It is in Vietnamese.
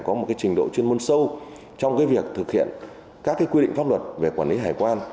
có một cái trình độ chuyên môn sâu trong cái việc thực hiện các cái quy định pháp luật về quản lý hải quan